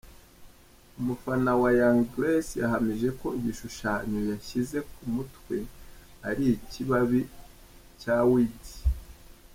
Umufana wa Young Grace yahamije ko igishushanyo yashyize ku mutwe ari ikibabi cya Weed.